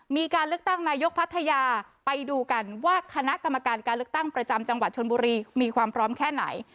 มีการเลือกตั้งนายกพัทยาไปดูกันว่าคณะกรรมการการเลือกตั้งประจำจังหวัดชนบุรีมีความพร้อมแค่ไหน